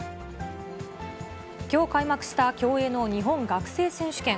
きょう開幕した競泳の日本学生選手権。